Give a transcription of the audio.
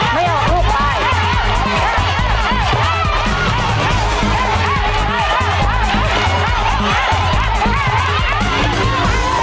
ไม่ออกลูกไป